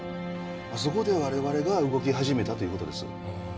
そこで我々が動き始めたという事です。